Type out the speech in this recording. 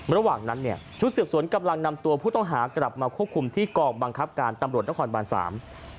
ระหว่างนั้นเนี่ยชุดสืบสวนกำลังนำตัวผู้ต้องหากลับมาควบคุมที่กองบังคับการตำรวจนครบานสาม